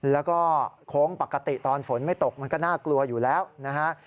แล้วก็โค้งปกติตอนฝนไม่ตกมันก็น่ากลัวอยู่แล้วนะฮะ